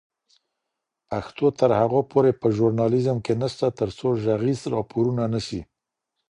پښتو تر هغو پورې په ژورنالیزم کي نسته تر څو ږغیز راپورونه نه سي